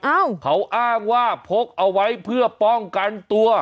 เอ้าเขาอ้างว่าพกเอาไว้เพื่อป้องกันตัว